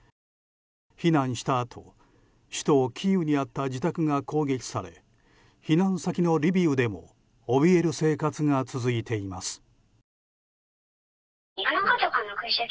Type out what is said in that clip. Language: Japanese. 避難したあと首都キーウにあった自宅が攻撃され避難先のリビウでもおびえる生活が続いています。